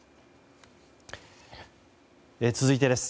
続いてです。